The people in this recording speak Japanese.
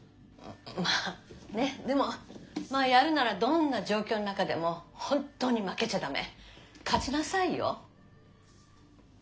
まあねでもやるならどんな状況の中でも本当に負けちゃ駄目勝ちなさいよ。